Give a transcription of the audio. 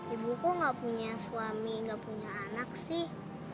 ibu kok gak punya suami gak punya anak sih